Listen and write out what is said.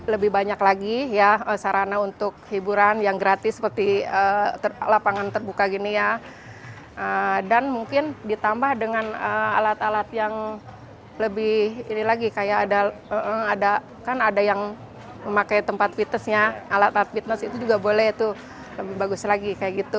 lebih banyak lagi sarana untuk hiburan yang gratis seperti lapangan terbuka dan mungkin ditambah dengan alat alat yang lebih ini lagi kayak ada yang memakai tempat fitnessnya alat alat fitness itu juga boleh lebih bagus lagi